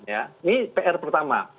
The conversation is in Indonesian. ini pr pertama